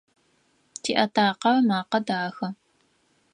Тиатакъэ ымакъэ дахэ.